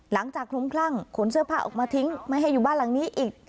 คลุ้มคลั่งขนเสื้อผ้าออกมาทิ้งไม่ให้อยู่บ้านหลังนี้อีก